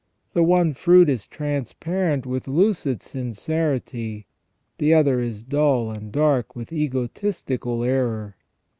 The one fruit is transparent with lucid sincerity, the other is dull and dark with egotistical error.